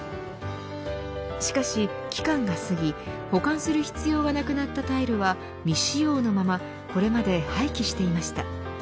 しかし、期間が過ぎ保管する必要がなくなったタイルは未使用のままこれまで廃棄していました。